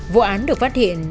vụ án được phát hiện